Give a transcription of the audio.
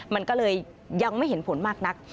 มันก็เลยยังไม่เห็นผลมากนัก